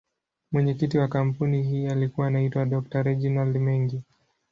Mwenyekiti wa kampuni hii alikuwa anaitwa Dr.Reginald Mengi.